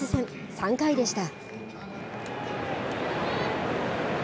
３回でした。